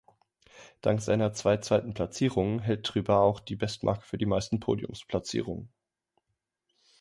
Dank seiner zwei zweiten Platzierungen hält Trueba auch die Bestmarke für die meisten Podiumsplatzierungen.